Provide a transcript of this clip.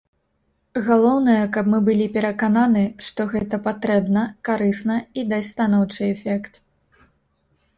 Галоўнае, каб мы былі перакананы, што гэта патрэбна, карысна і дасць станоўчы эфект.